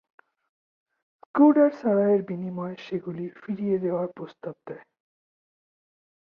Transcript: Scudder সারাহের বিনিময়ে সেগুলো ফিরিয়ে দেওয়ার প্রস্তাব দেয়।